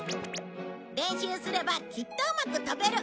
練習すればきっとうまく飛べる。